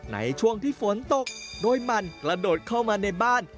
ในช่วงที่ฝนตกโดยมันกระโดดเข้ามาในบ้าน